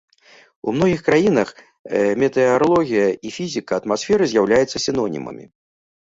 У многіх краінах метэаралогія і фізіка атмасферы з'яўляюцца сінонімамі.